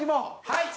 はい。